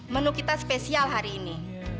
menu kita spesial hari ini